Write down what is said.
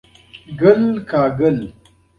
د انیلا غېږه په دې واورین جهنم کې جنت وه